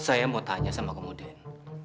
saya mau tanya sama kamu din